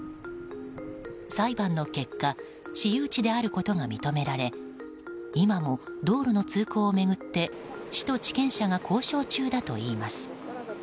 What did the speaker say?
裁判の結果私有地であることが認められ今も道路の通行を巡って市と地権者が交渉中だといいます。